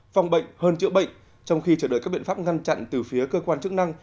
phòng bệnh hơn chữa bệnh trong khi chờ đợi các biện pháp ngăn chặn từ phía cơ quan chức năng